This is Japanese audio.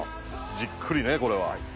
じっくりねこれは。